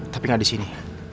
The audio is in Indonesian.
tapi gak di sini